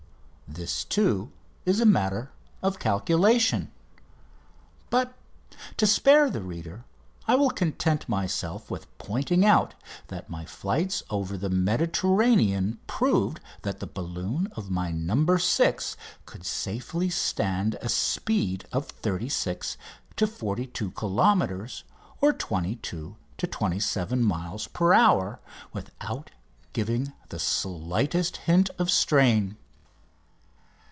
This, too, is a matter of calculation; but, to spare the reader, I will content myself with pointing out that my flights over the Mediterranean proved that the balloon of my "No. 6" could safely stand a speed of 36 to 42 kilometres (22 to 27 miles) per hour without giving the slightest hint of strain.